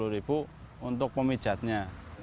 rp tiga puluh untuk pemijatnya